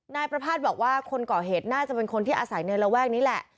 นายประภาษณ์บอกว่าคนก่อเหตุน่าจะเป็นคนที่อาศัยในระแวกนี้แหละ